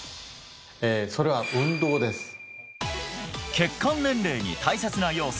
修譴血管年齢に大切な要素